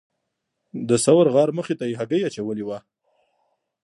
د ثور غار مخې ته یې هګۍ اچولې وه.